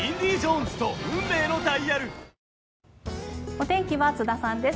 お天気は津田さんです